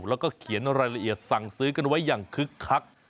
แล้วก็เขียนรายละเอียดสั่งซื้อกันไว้อย่างคึกคัก